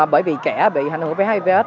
bởi vì kẻ bị ảnh hưởng bởi hivs